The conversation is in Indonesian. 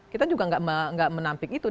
kita juga tidak menampik itu